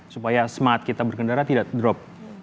supaya semangat kita berkendara tidak drop